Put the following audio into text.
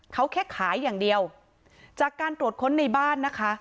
เขาแค่ขายอย่างเดียวจากการตรวจค้นในบ้านนะคะ